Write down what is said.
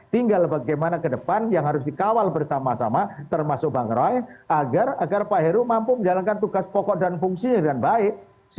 tinggal bagaimana ke depan yang harus dikawal bersama sama termasuk bang roy agar pak heru mampu menjalankan tugas pokok dan fungsinya dengan baik